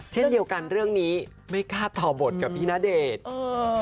เช่นเดียวกันเรื่องนี้แข็งมืดปลอดภาษณ์ที่ไม่กล้าชอบได้